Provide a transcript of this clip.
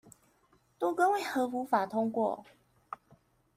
都更為何無法通過